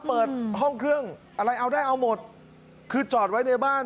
เปิดห้องเครื่องอะไรเอาได้เอาหมดคือจอดไว้ในบ้าน